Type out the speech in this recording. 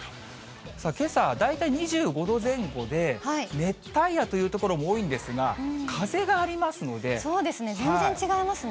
けさは大体２５度前後で、熱帯夜という所も多いんですが、風があそうですね、全然違いますね。